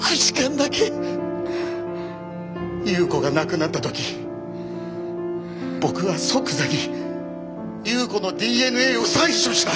夕子が亡くなった時僕は即座に夕子のＤＮＡを採取した。